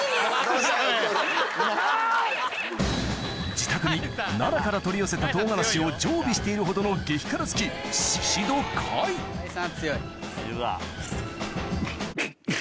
自宅に奈良から取り寄せた唐辛子を常備しているほどの激辛好き宍戸開開さんは強い。